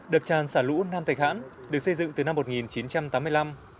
đạp tràng xã lũ nam thạch hãng được xây dựng từ năm một nghìn chín trăm tám mươi năm